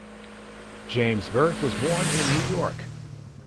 James Burke was born in New York.